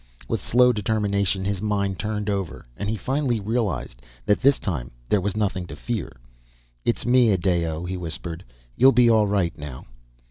With slow determination his mind turned over and he finally realized that this time there was nothing to fear. "It's me, Adao," he whispered. "You'll be all right now."